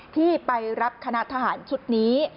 ที่ไปรับคณะทหารชุดนี้